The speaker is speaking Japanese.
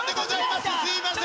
すみません。